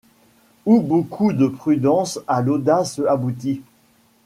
Où beaucoup de prudence a l'audace aboutit